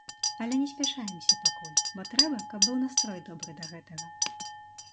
Але не спяшаемся пакуль, бо трэба, каб быў настрой добры да гэтага.